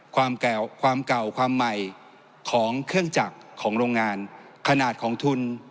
ความเก่าความใหม่ของเครื่องจักรของโรงงานขนาดของทุน